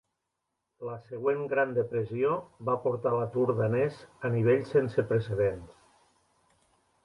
La següent Gran Depressió va portar l'atur danès a nivells sense precedents.